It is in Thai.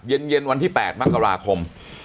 เย็นวันที่๘มกราคม